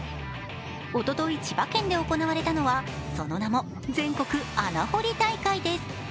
おととい、千葉県で行われたのはその名も全国穴掘り大会です。